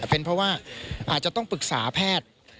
เป็นเพราะว่าอาจจะต้องปรึกษาแพทย์